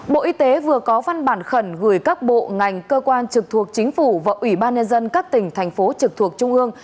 bộ y tế vừa có văn bản khẩn gửi các bộ ngành cơ quan trực thuộc chính phủ và ủy ban nhân dân các tỉnh thành phố trực thuộc trung ương